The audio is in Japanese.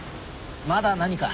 まだ何か？